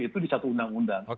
itu disatu undang undang